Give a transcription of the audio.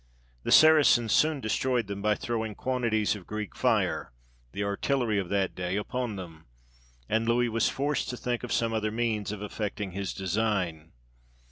The Saracens soon destroyed them by throwing quantities of Greek fire, the artillery of that day, upon them, and Louis was forced to think of some other means of effecting his design.